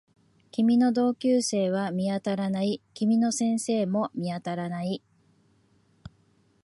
君の同級生は見当たらない。君の先生も見当たらない